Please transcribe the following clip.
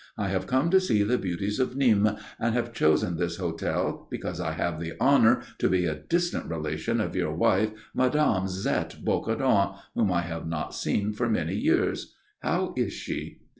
I have come to see the beauties of Nîmes, and have chosen this hotel because I have the honour to be a distant relation of your wife, Mme. Zette Bocardon, whom I have not seen for many years. How is she?"